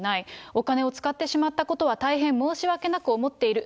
お金を使ってしまったことは大変申し訳なく思っている。